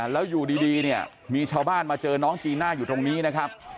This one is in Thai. แล้วอยู่ดีเนี่ยมีชาวบ้านมาเจอน้องจีน่าอยู่ตรงนี้นะครับ